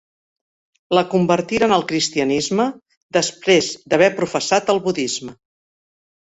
La convertiren al cristianisme després d'haver professat el budisme.